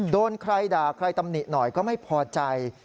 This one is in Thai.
โดนใครด่าใครตำหนิหน่อยก็ไม่พอใจ